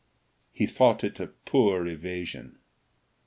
He thought it a poor evasion.